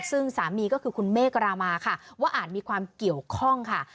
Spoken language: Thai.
ซึ่งสามีก็คือคุณเมฆรามาค่ะว่าอาจมีความเกี่ยวข้องค่ะ